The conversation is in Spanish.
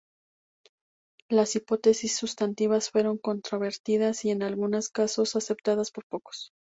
Las hipótesis sustantivas fueron controvertidas y, en algunos casos, aceptadas por pocos.